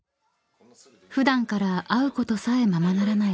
［普段から会うことさえままならない